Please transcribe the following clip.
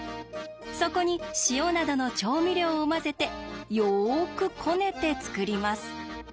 そこに塩などの調味料を混ぜてよくこねて作ります。